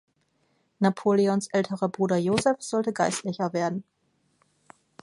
Napoleons älterer Bruder Joseph sollte Geistlicher werden.